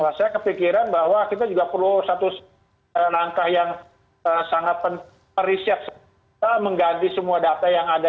kalau saya kepikiran bahwa kita juga perlu mengganti password atau apa gitu ya